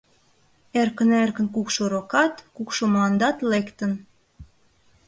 Эркын-эркын кукшо рокат, кукшо мландат лектын.